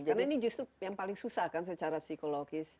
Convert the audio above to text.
karena ini justru yang paling susah kan secara psikologis